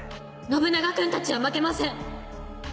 信長君たちは負けません！